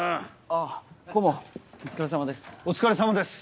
あっ顧問お疲れさまです。